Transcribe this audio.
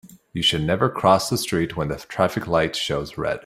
You should never cross the street when the traffic light shows red.